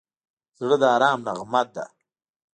زړه د ارام نغمه ده.